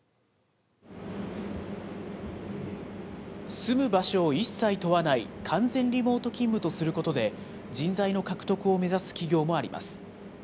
住む場所を一切問わない、完全リモート勤務とすることで、人材の獲得を目指す企業もあります。